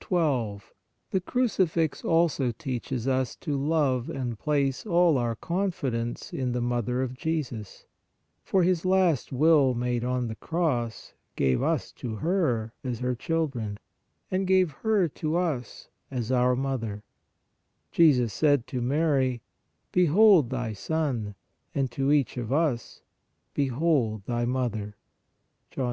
12. The Crucifix also teaches us to love and place all our confidence in the Mother of Jesus, for His last will made on the Cross gave us to her as her children, and gave her to us as our Mother, Jesus said to Mary :" Behold thy Son," and to each of us: "Behold thy Mother" (John 19.